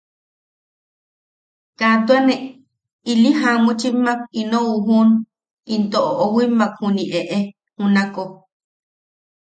Kaa tua ne ili jamuchimmak ino ujuʼun into oʼowimmak juniʼi eʼe junako.